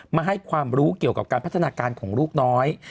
มาให้ความรู้เกี่ยวกับการพัฒนาการของลูกน้อย